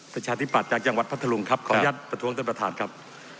ประชาธิปัตย์จากจังหวัดพัทธรุงครับขออนุญาตประท้วงท่านประธานครับ